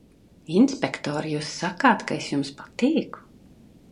Inspektor, jūs sakāt, ka es jums patīku?